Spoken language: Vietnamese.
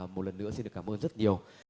một lần nữa xin được cảm ơn rất nhiều